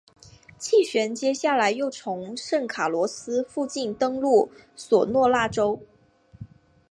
气旋接下来又从圣卡洛斯附近登陆索诺拉州。